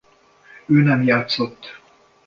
Ő nem játszott.